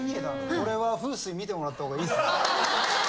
これは風水みてもらったほうがいいですね。